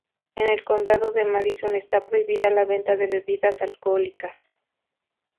En el Condado de Madison está prohibido la venta de bebidas alcohólicas.